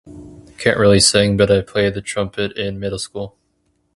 Can't really sing but I played the trumpet in middle school.